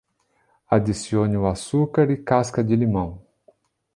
Adicione o açúcar e casca de limão.